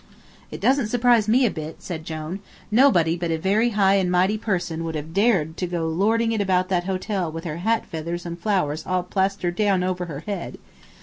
"It doesn't surprise me a bit," said Jone; "nobody but a very high and mighty person would have dared to go lording it about that hotel with her hat feathers and flowers all plastered down over her head.